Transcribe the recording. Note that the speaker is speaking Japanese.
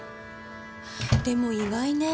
でも意外ね。